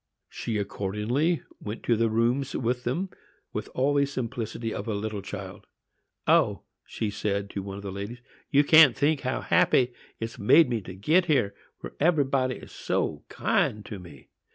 She accordingly went to the rooms with them, with all the simplicity of a little child. "O," said she, to one of the ladies, "you can't think how happy it's made me to get here, where everybody is so kind to me!